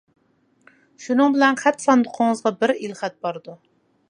شۇنىڭ بىلەن خەت ساندۇقىڭىزغا بىر ئېلخەت بارىدۇ.